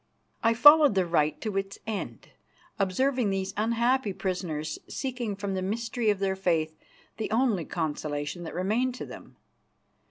I followed the rite to its end, observing these unhappy prisoners seeking from the mystery of their faith the only consolation that remained to them.